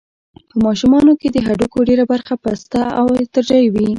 په ماشومانو کې د هډوکو ډېره برخه پسته او ارتجاعي وي.